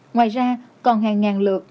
ngoài ra còn hàng ngàn lượt